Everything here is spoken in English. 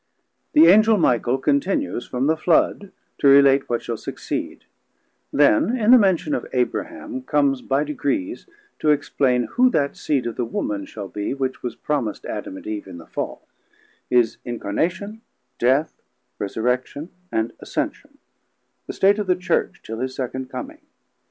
The Angel Michael continues from the Flood to relate what shall succeed; then, in the mention of Abraham, comes by degrees to explain who that Seed of the Woman shall be, which was promised Adam and Eve in the Fall; his Incarnation, Death, Resurrection, and Ascention; the state of the Church till his second Coming.